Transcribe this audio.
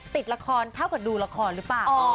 ติดละครเท่ากับดูละครหรือเปล่า